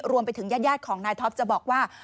รวมไปถึงญาติของนายท็อปจะบอกว่า